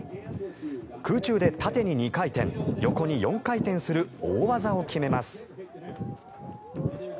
空中で縦に２回転横に４回転する大技を決めます。